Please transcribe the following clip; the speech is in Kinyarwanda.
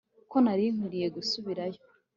Ko nari nkwiye gusubirayo